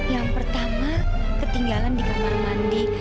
yang pertama ketinggalan di kamar mandi